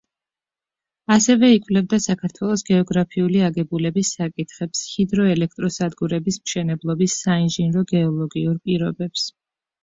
ასევე იკვლევდა საქართველოს გეოგრაფიული აგებულების საკითხებს, ჰიდროელექტროსადგურების მშენებლობის საინჟინრო-გეოლოგიურ პირობებს.